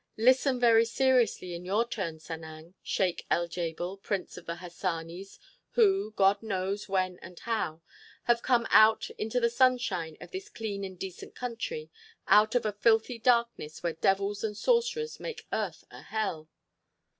"Listen very seriously in your turn, Sanang, Sheik el Djebel, Prince of the Hassanis who, God knows when and how, have come out into the sunshine of this clean and decent country, out of a filthy darkness where devils and sorcerers make earth a hell.